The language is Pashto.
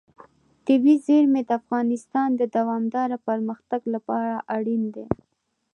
طبیعي زیرمې د افغانستان د دوامداره پرمختګ لپاره اړین دي.